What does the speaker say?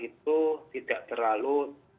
itu tidak terlalu